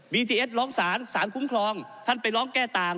ทีเอสร้องสารสารคุ้มครองท่านไปร้องแก้ต่าง